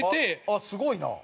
あっすごいな。